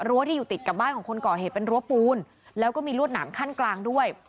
ที่อยู่ติดกับบ้านของคนก่อเหตุเป็นรั้วปูนแล้วก็มีรวดหนามขั้นกลางด้วย